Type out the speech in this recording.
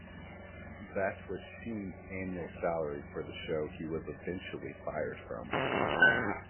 That was Sheen's annual salary for the show he was eventually fired from.